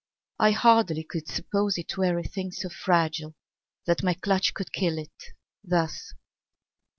I hardly could suppose It were a thing so fragile that my clutch Could kill it, thus.